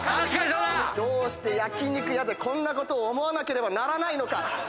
どうして焼肉屋でこんなこと思わなければならないのか。